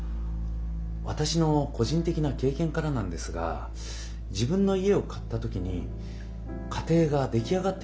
私の個人的な経験からなんですが自分の家を買った時に家庭が出来上がったように感じたんです。